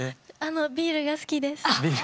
ビールが好きです。